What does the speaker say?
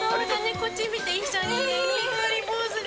こっち見て、一緒に、にっこりポーズで。